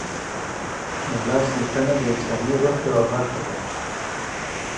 د لاس لیکنه د انساني روح یوه برخه ده.